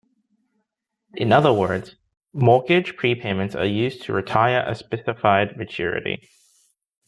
In other words, mortgage prepayments are used to retire a specified maturity.